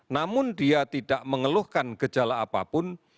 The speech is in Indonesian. namun dia tidak mengeluhkan gejala apapun